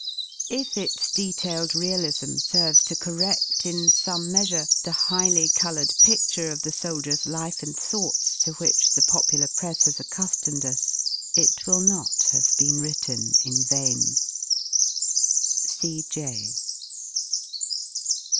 r' If its detailed realism serves to corred in some measure the A highly coloured pidure of the soldier's life and thoughts to j which the popular Press has accu^omed us, it will not have [. been written in vain. C. J.